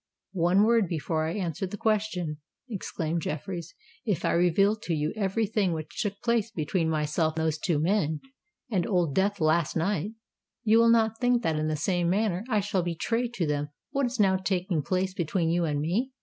"One word, sir, before I answer the question!" exclaimed Jeffreys. "If I reveal to you every thing which took place between myself, those two men and Old Death last night, will you not think that in the same manner I shall betray to them what is now taking place between you and me?"